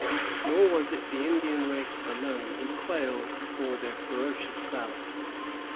Nor was it the Indian race alone who quailed before their ferocious valor.